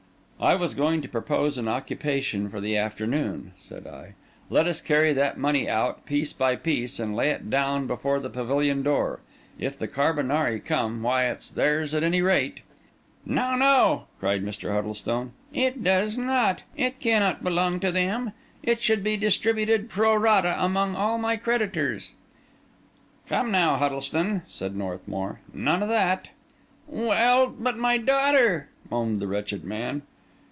"I was going to propose an occupation for the afternoon," said I. "Let us carry that money out, piece by piece, and lay it down before the pavilion door. If the carbonari come, why, it's theirs at any rate." "No, no," cried Mr. Huddlestone; "it does not, it cannot belong to them! It should be distributed pro rata among all my creditors." "Come now, Huddlestone," said Northmour, "none of that." "Well, but my daughter," moaned the wretched man.